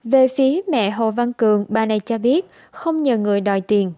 về phía mẹ hồ văn cường bà này cho biết không nhờ người đòi tiền